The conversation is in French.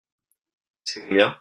C’est combien ?